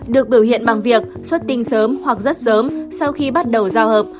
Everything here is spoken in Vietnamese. được biểu hiện bằng việc xuất tinh sớm hoặc rất sớm sau khi bắt đầu giao hợp